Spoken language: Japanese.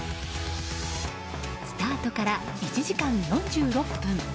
スタートから１時間４６分。